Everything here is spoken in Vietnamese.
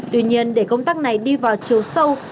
tuy nhiên để công tác này đi vào chiều sâu